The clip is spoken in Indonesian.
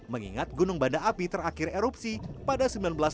mengingat gunung banda api terakhir erupsi pada seribu sembilan ratus sembilan puluh